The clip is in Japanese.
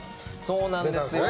そうなんです。